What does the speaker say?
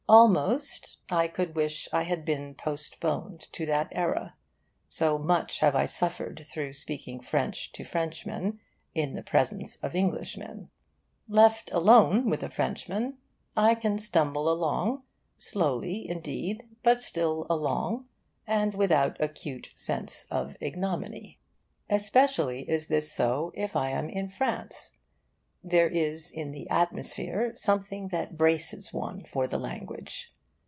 Almost I could wish I had been postponed to that era, so much have I suffered through speaking French to Frenchmen in the presence of Englishmen. Left alone with a Frenchman, I can stumble along, slowly indeed, but still along, and without acute sense of ignominy. Especially is this so if I am in France. There is in the atmosphere something that braces one for the language.